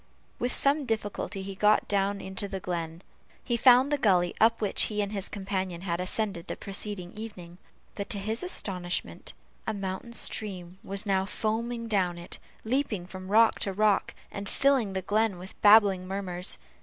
With some difficulty he got down into the glen: he found the gully up which he and his companion had ascended the preceding evening; but to his astonishment a mountain stream was now foaming down it, leaping from rock to rock, and filling the glen with babbling murmurs.